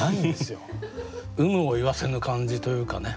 有無を言わせぬ感じというかね。